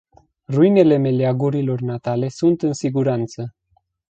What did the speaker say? Ruinele meleagurilor natale sunt în siguranță.